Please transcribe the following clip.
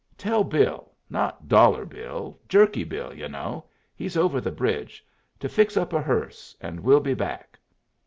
Tell Bill not Dollar Bill, Jerky Bill, yu' know; he's over the bridge to fix up a hearse, and we'll be back."